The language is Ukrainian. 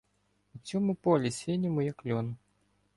У цьому полі синьому, як льон.